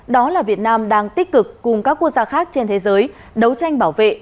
đó là việt nam đang tích cực cùng các quốc gia khác trên thế giới đấu tranh bảo vệ